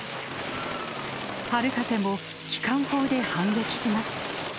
春風も機関砲で反撃します。